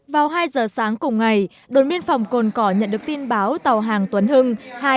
vào hai giờ sáng cùng ngày đội biên phòng cồn cỏ nhận được tin báo tàu hàng tuấn hưng hai trăm sáu mươi tám